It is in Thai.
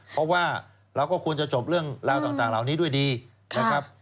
เพราะว่าเราก็ควรจะจบเรื่องราวต่างเหล่านี้ด้วยดีนะครับ